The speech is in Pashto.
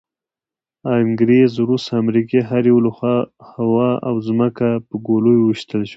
انګریز، روس، امریکې هر یوه له هوا او ځمکې په ګولیو وویشتلو.